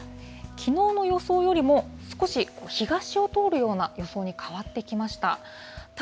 きのうの予想よりも、少し東を通るような、予想に変わってきました。